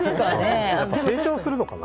成長するのかな。